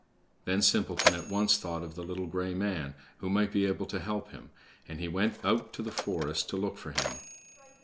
Then Simpleton at once thought of the little gray man, who might be able to help him, and he went out to the forest to look for him.